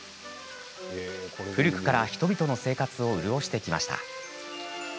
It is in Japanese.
古くから人々の生活を潤してきました。